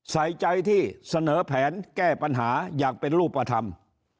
ใส่ใจที่เสนอแผนแก้ปัญหาอย่างเป็นรูปธรรม